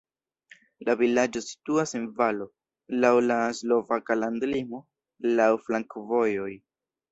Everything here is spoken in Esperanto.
La vilaĝo situas en valo, laŭ la slovaka landlimo, laŭ flankovojoj.